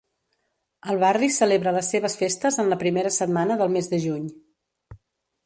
El barri celebra les seves festes en la primera setmana del mes de juny.